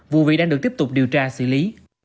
vụ việc đang được tiếp tục điều tra xử lý